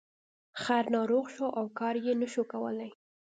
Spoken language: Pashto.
خر ناروغ شو او کار یې نشو کولی.